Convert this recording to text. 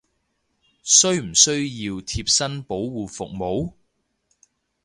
需唔需要貼身保護服務！？